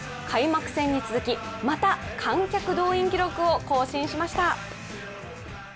開幕戦に続き、また観客動員記録を更新しました。